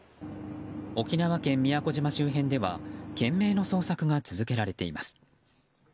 沖縄県宮古島周辺では懸命の捜索が続けられています。